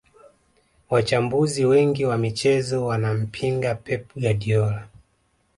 wachambuzi wengiwa michezo wanampinga pep guardiola